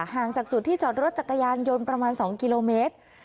ห่างจากจุดที่จอดรถจักรยานยนต์ประมาณ๒กิโลเมตร